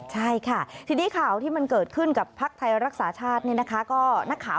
ใช่ค่ะทีนี้ข่าวที่มันเกิดขึ้นกับภักดิ์ไทยรักษาชาติ